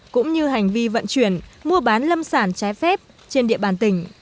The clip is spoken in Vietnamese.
cũng như hành vi vận chuyển mua bán lâm sản trái phép trên địa bàn tỉnh